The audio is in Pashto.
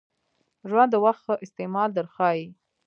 ژوند د وخت ښه استعمال در ښایي .